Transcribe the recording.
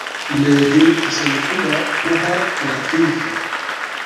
له دې تسلسله پوهه پراخېږي.